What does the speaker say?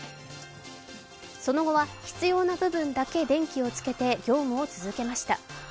その後は、必要な部分だけ電気をつけて業務を続けました。